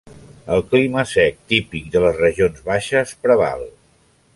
El clima sec típic de les regions baixes preval.